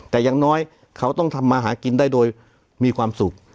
แต่อย่างน้อยเขาต้องทำมาหากินได้โดยมีความสุข